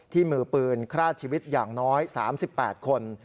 มือปืนฆ่าชีวิตอย่างน้อย๓๘คน